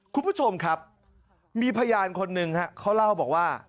คุณผู้ชมครับมีพยานคนหนึ่งเขาเล่าบอกว่า